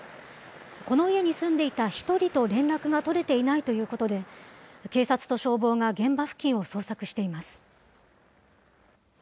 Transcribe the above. この家に住んでいた１人と連絡が取れていないということで、警察と消防が現場付近を捜索しています。